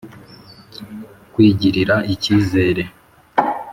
kwigirira icyizere,